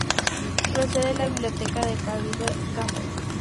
Procede de la Biblioteca del Cabildo de Bamberg.